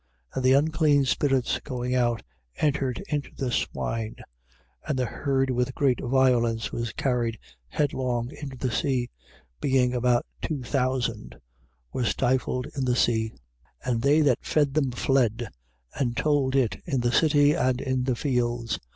And the unclean spirits going out, entered into the swine: and the herd with great violence was carried headlong into the sea, being about two thousand, were stifled in the sea. 5:14. And they that fed them fled, and told it in the city and in the fields.